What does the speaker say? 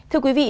thưa quý vị